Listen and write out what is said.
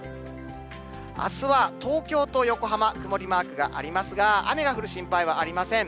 あすは東京と横浜、曇りマークがありますが、雨が降る心配はありません。